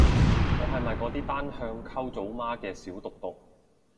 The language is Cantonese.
我係咪嗰啲單向溝組媽嘅小毒毒